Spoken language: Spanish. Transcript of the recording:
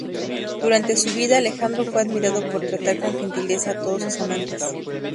Durante su vida, Alejandro fue admirado por tratar con gentileza a todos sus amantes.